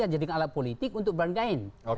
menjadikan alat politik untuk bergain